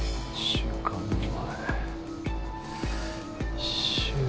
１週間前。